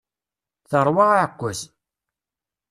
Terwa aɛekkaz.